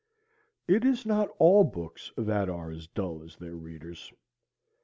It is not all books that are as dull as their readers.